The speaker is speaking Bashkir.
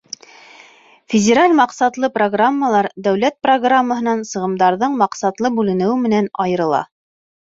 Федераль маҡсатлы программалар Дәүләт программаһынан сығымдарҙың маҡсатлы бүленеүе менән айырыла.